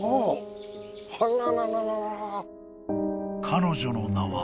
［彼女の名は］